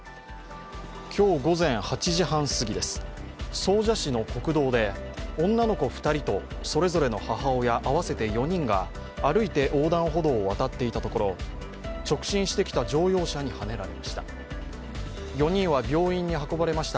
今日午前８時半すぎ、総社市の国道で女の子２人とそれぞれの母親、合わせて４人が歩いて横断歩道を渡っていたところ、直進してきた乗用車にはねられました。